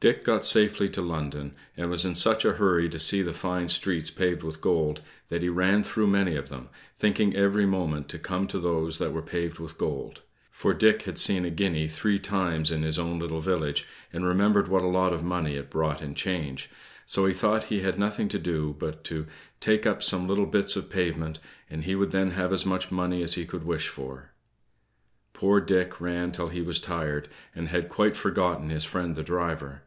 Dick got safely to London, and was in such a hurry to see the fine streets paved with gold, that he ran through many of them, thinking every moment to come to those that were paved with gold; for Dick had seen a guinea three times in his own little village, and remembered what a lot of money it brought in change; so he thought he had nothing to do but to take up some little bits of pavement, and he would then have as much money as he could wish for. Poor Dick ran till he was tired, and had quite forgotten his friend the driver.